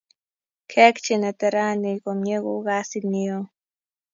Keek chi neterani komnye ko kasit neo.